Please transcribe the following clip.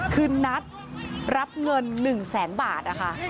ขึ้นนัดรับเงิน๑๐๐๐๐๐บาทค่ะ